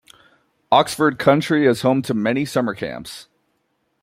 Oxford county is home to many summer camps.